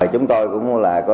chúng tôi cũng là